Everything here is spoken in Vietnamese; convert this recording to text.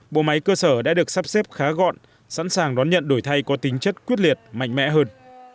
bộ máy cơ sở đã được sắp xếp khá gọn sẵn sàng đón nhận đổi thay có tính chất quyết liệt mạnh mẽ hơn